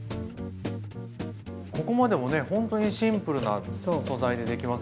ここまでもねほんとにシンプルな素材でできますよね。